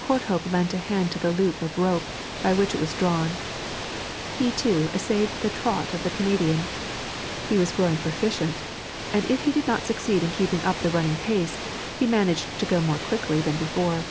Courthope lent a hand to the loop of rope by which it was drawn. He too essayed the trot of the Canadian. He was growing proficient, and if he did not succeed in keeping up the running pace, he managed to go more quickly than before.